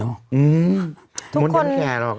ทุกคนแก่หรอกนะนี่แก่หรอก